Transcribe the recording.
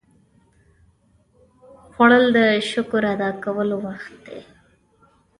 خوړل د شکر ادا کولو وخت دی